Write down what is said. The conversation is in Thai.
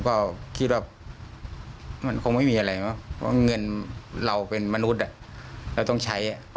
ก็คืออยากให้หมอปลามาช่วย